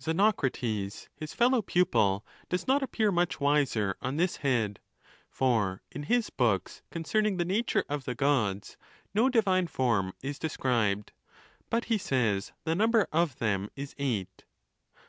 Xenocrates, his fellow pupil, does not appear much wiser on this head, for in his books concerning the nature of the Gods no divine form is described ; but he says the num ber of them is eight.